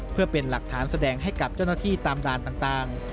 เพื่อเป็นหลักฐานแสดงให้กับเจ้าหน้าที่ตามด่านต่าง